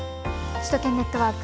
首都圏ネットワーク。